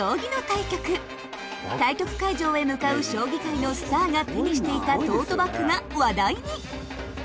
対局会場へ向かう将棋界のスターが手にしていたトートバッグが話題に。